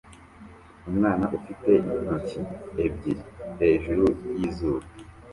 Umwana ufite intoki ebyiri hejuru yizuru